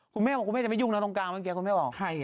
คุณแม่บอกคุณแม่จะไม่ยุ่งนะตรงกลางเมื่อกี้คุณแม่บอก